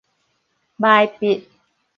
眉筆